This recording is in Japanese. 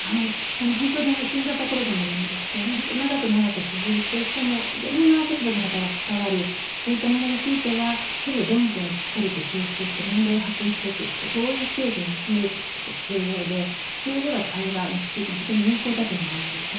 本当に新型コロナのような長く長く続いてしかもいろんな立場の方が関わるこういったものについては論点をしっかりと抽出して問題を発見していくそして合意形成をすすめるってことが重要でそれには対話は非常に有効だと思うんですね。